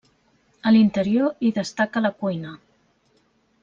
A l'interior hi destaca la cuina.